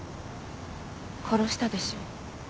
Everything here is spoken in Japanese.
殺したでしょ？